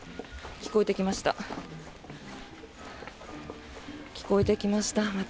聞こえてきました、また。